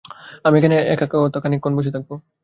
আমি এখানে একা একা খানিকক্ষণ বসে থাকব।